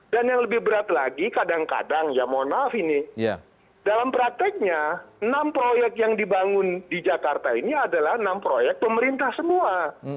dan yang lebih berat lagi kadang kadang ya mohon maaf ini dalam prakteknya enam proyek yang dibangun di jakarta ini adalah enam proyek pemerintah semua